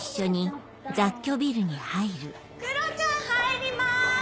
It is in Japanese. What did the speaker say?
黒ちゃん入ります！